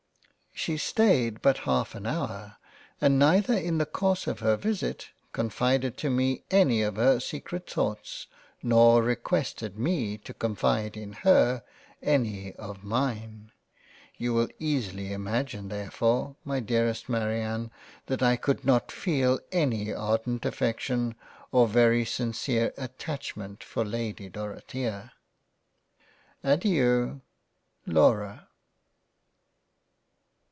She staid but Half an hour and neither in the Course of her Visit, confided to me any of her secret thoughts, nor requested me to confide in her, any of Mine. You will easily imagine therefore my Dear Marianne that I could not feel any ardent affection or very sincere Attachment for Lady Dorothea. Adeiu Laura.